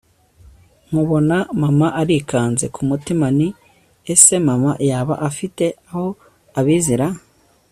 nkobona mama arikanze, kumutima nti ese mama yaba afite aho abizi ra